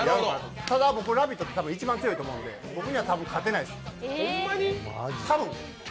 ただ僕「ラヴィット！」で一番強いと思うので、僕には多分勝てないです、多分。